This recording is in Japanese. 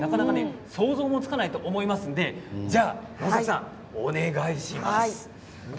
想像もつかないと思いますので能作さん、お願いします。